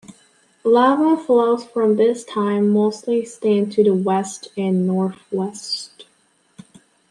Lava flows from this time mostly extend to the west and northwest.